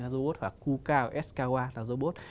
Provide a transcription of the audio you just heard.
robot của kuka skwa là robot